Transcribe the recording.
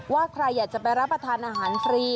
ว่าใครอยากจะไปรับประทานอาหารฟรี